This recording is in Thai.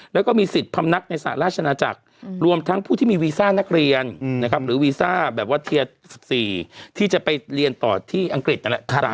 แล้วก็มีสิทธิ์พำนักในสหราชนาจักรรวมทั้งผู้ที่มีวีซ่านักเรียนหรือวีซ่าแบบว่าเทีย๑๔ที่จะไปเรียนต่อที่อังกฤษนั่นแหละ